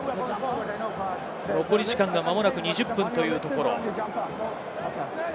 残り時間が、まもなく２０分というところ。